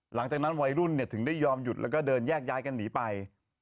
วัยรุ่นถึงได้ยอมหยุดแล้วก็เดินแยกย้ายกันหนีไป